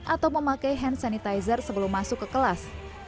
atau memakai hand sanitizer sebelum masuk ke kelas